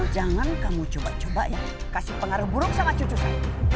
jangan kamu coba coba ya kasih pengaruh buruk sama cucu saya